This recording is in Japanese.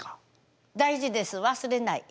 大事です忘れない。